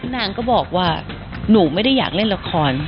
นางก็บอกว่าหนูไม่ได้อยากเล่นละคร